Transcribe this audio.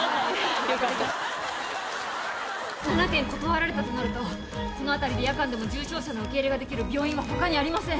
「７件断られたとなるとこの辺りで夜間でも重症者の受け入れができる病院は他にありません」